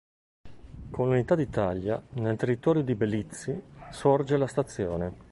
Con l'Unità d'Italia, nel territorio di Bellizzi sorge la stazione.